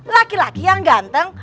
laki laki yang ganteng